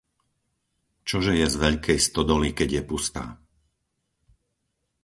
Čože je z veľkej stodoly keď je pustá.